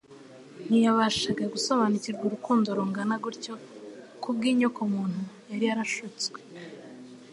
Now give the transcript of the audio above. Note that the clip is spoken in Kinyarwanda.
ntiyabashaga gusobanukirwa urukundo rungana rutyo kubw'inyokomuntu yari yarashutswe.